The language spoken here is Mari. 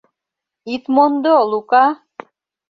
Ит мондо, Лука!